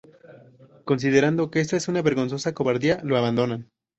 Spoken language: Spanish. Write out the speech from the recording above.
Considerando que esto es una vergonzosa cobardía, lo abandonan.